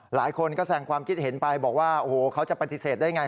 หลายคนก็แสงความคิดเห็นไปบอกว่าโอ้โหเขาจะปฏิเสธได้ไง